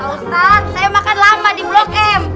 ustadz saya makan lama di blok m